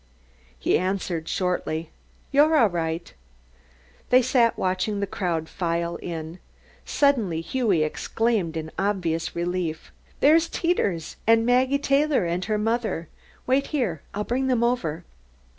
He answered shortly: "You're all right." They sat watching the crowd file in. Suddenly Hughie exclaimed in obvious relief: "There's Teeters, and Maggie Taylor and her mother! Wait here I'll bring them over."